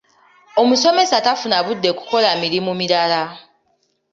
Omusomesa tafuna budde kukola mirimu mirala.